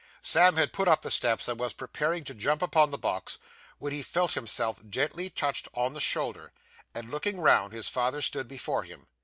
Sam had put up the steps, and was preparing to jump upon the box, when he felt himself gently touched on the shoulder; and, looking round, his father stood before him.